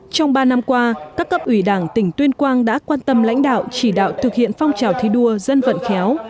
trong ba năm qua các cấp ủy đảng tỉnh tuyên quang đã quan tâm lãnh đạo chỉ đạo thực hiện phong trào thi đua dân vận khéo